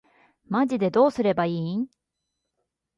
マジでどうすればいいん